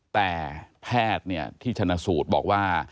แต่แพทย์ที่ชนะสูตรบอกว่า